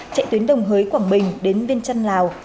chạy tuyến đồng hới quảng bình đến viên chăn lào